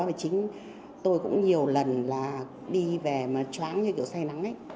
và chính tôi cũng nhiều lần là đi về mà chóng như kiểu say nắng ấy